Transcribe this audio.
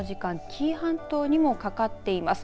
紀伊半島にもかかっています。